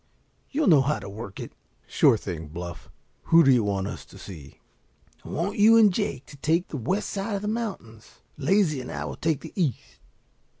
You'll know how to work it?" "Sure thing, Bluff. Who do you want us to see?" "I want you and Jake to take the west side of the mountains. Lazy and I will take the east.